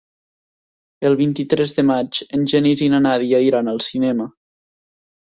El vint-i-tres de maig en Genís i na Nàdia iran al cinema.